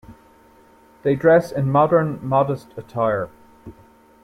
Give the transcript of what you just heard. They dress in modern, modest attire.